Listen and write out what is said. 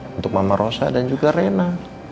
untuk mama rosa dan juga rena